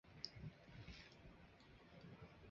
阿圭亚尔是巴西帕拉伊巴州的一个市镇。